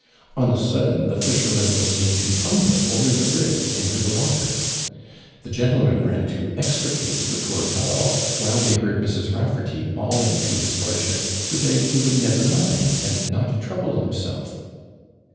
On a sudden, the fisherman was seen to tumble over the bridge into the water. The gentlemen ran to extricate the poor fellow, while they heard Mrs. Raffarty bawling to his lordship, to beg he would never mind, and not trouble himself.